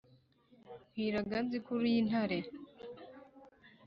nkwiraga nzi ko uri intare